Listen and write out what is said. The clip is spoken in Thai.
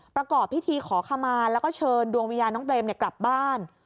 ประกอบพิธีขอขมาแล้วก็เชิญดวงวิญญาณน้องเปรมกลับบ้าน